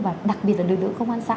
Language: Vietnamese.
và đặc biệt là lực lượng công an xã